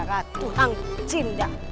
ratu hang cinda